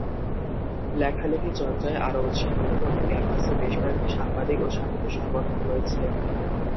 লেখালেখি চর্চায় আরও উৎসাহিত করতে ক্যাম্পাসে বেশ কয়েকটি সাংবাদিক ও সাহিত্য সংগঠন রয়েছে।